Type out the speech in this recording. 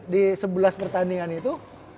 di sebelas pertandingan itu